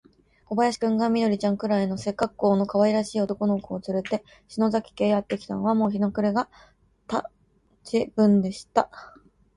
小林君が、緑ちゃんくらいの背かっこうのかわいらしい男の子をつれて、篠崎家へやってきたのは、もう日の暮れがた時分でした。